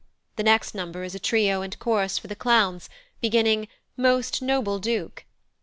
The next number is a trio and chorus for the Clowns, beginning "Most noble Duke."